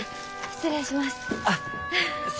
失礼します。